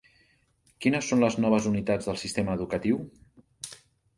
Quines són les noves unitats del sistema educatiu?